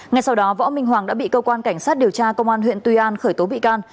ngay sau đó võ minh hoàng đã bị cơ quan cảnh sát điều tra công an huyện tuy an khởi tố bị can